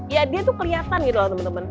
ya dia tuh kelihatan gitu loh teman teman